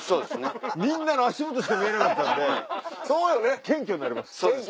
みんなの足元しか見えなかったんで謙虚になります。